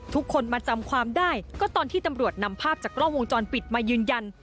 ทุกคนมาจำความได้ก็ตอนที่ตำรวจนำภาพจากกล้องวงจรปิดมายืนยัน